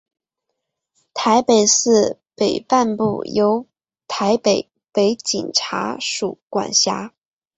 台北市北半部由台北北警察署管辖。